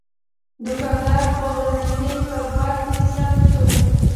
دوکاندار په ورځني کاروبار کې صبر کوي.